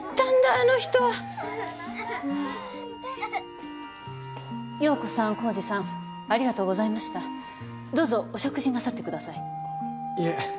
あの人はもう陽子さん浩司さんありがとうございましたどうぞお食事なさってくださいいえ